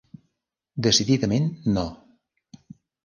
Decididament, no.